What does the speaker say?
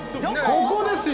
ここですよ！